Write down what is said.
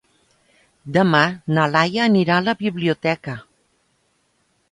Demà na Laia anirà a la biblioteca.